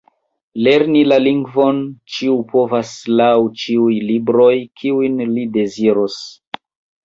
Lerni la lingvon ĉiu povas laŭ ĉiuj libroj, kiujn li deziros.